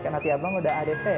karena hati abang udah adek